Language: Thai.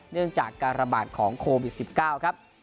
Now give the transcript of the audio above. เนื่องจากการระบาดของโควิด๑๙ครับ